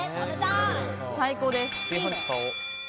最高です。